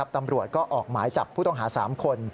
ตำรวจก็ออกหมายจับผู้ต้องหา๓คน